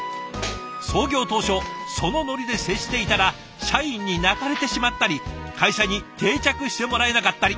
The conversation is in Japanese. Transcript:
創業当初そのノリで接していたら社員に泣かれてしまったり会社に定着してもらえなかったり。